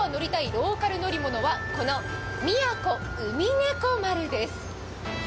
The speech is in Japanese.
ローカル乗り物」はこの「宮古うみねこ丸」です。